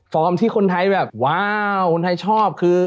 ที่คนไทยแบบว้าวคนไทยชอบคือ